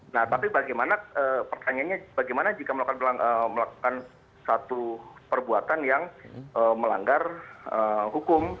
nah tapi bagaimana pertanyaannya bagaimana jika melakukan satu perbuatan yang melanggar hukum